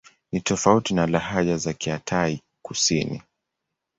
Ni tofauti na lahaja za Kialtai-Kusini.